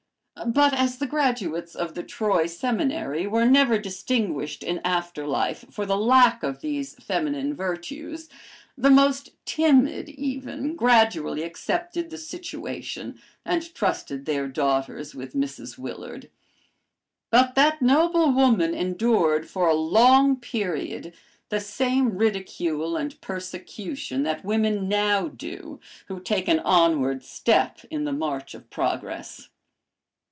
But as the graduates of the Troy Seminary were never distinguished in after life for the lack of these feminine virtues, the most timid, even, gradually accepted the situation and trusted their daughters with Mrs. Willard. But that noble woman endured for a long period the same ridicule and persecution that women now do who take an onward step in the march of progress.